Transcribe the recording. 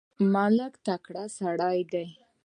ملک مو تکړه سړی دی.